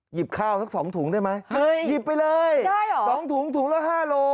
หยิบข้าวสัก๒ถุงได้ไหมหยิบไปเลยสองถุงถุงละ๕โล